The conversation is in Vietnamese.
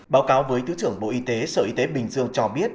báo cáo với thứ trưởng bộ y tế sở y tế bình dương cho biết